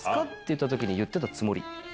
って時に言ってたつもり。